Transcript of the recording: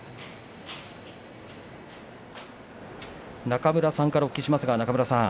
中村さんからお聞きします。